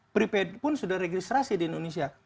prepaid pun sudah registrasi di indonesia